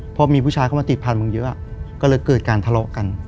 พอมีผู้ชายเข้ามาติดผ่านมึงเยอะก็เลยเกิดการทะเลาะกัน